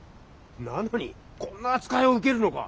なのにこんな扱いを受けるのか？